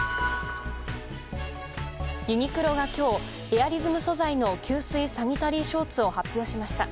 ユニクロが今日エアリズム素材の吸水サニタリーショーツを発表しました。